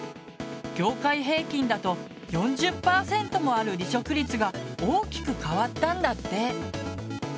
業界平均だと４０％もある離職率が大きく変わったんだって。